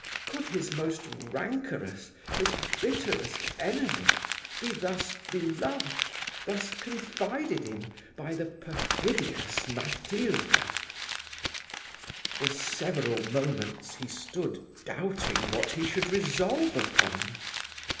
Could his most rancorous, his bitterest enemy, be thus beloved, thus confided in, by the perfidious Matilda? For several moments he stood doubting what he should resolve upon.